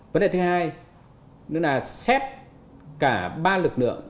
vấn đề thứ hai đó là xét cả ba lực lượng